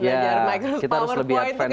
iya kita harus lebih advance daripada itu